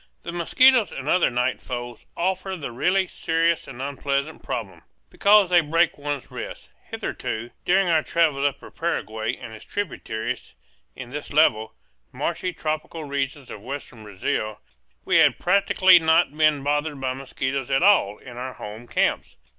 The mosquitoes and other night foes offer the really serious and unpleasant problem, because they break one's rest. Hitherto, during our travels up the Paraguay and its tributaries, in this level, marshy tropical region of western Brazil, we had practically not been bothered by mosquitoes at all, in our home camps.